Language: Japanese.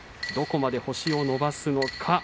どこまで星を伸ばすのか。